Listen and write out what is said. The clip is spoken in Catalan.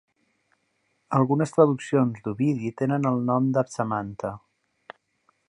Algunes traduccions d'Ovidi tenen el nom de Psamanthe.